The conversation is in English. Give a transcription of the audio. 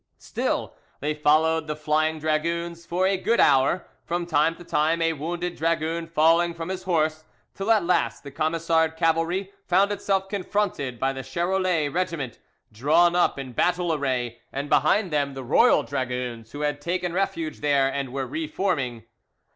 Still they followed the flying dragoons for a good hour, from time to time a wounded dragoon falling from his horse, till at last the Camisard cavalry found itself confronted by the Charolais regiment, drawn up in battle array, and behind them the royal dragoons, who had taken refuge there, and were re forming.